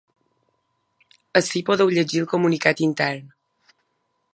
Ací podeu llegir el comunicat intern.